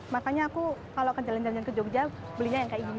makanya aku kalau akan jalan jalan ke jogja belinya yang seperti ini